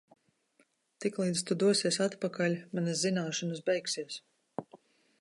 Tiklīdz tu dosies atpakaļ, manas zināšanas beigsies.